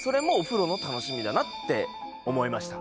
だなって思いました。